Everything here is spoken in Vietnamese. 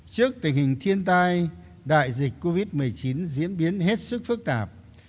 trước tình hình thiên tai đại dịch covid một mươi chín diễn biến hết sức phức tạp